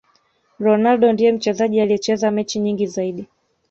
ronaldo ndiye mchezaji aliyecheza mechi nyingi zaidi